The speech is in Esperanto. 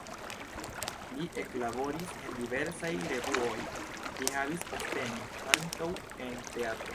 Li eklaboris en diversaj revuoj, li havis postenon ankaŭ en teatro.